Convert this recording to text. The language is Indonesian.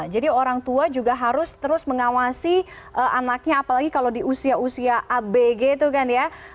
jadi orang tua juga harus terus mengawasi anaknya apalagi kalau di usia usia abg itu kan ya